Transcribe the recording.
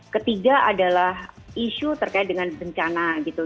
ketiga adalah isu terkait dengan bencana gitu